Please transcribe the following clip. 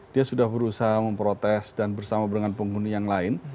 dia sudah berusaha memprotes dan bersama dengan penghuni yang lain